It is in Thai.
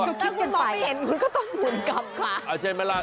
แต่คุณเจอไม่เห็นคุณก็ต้องหมุนกลับค่ะ